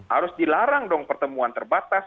harus dilarang dong pertemuan terbatas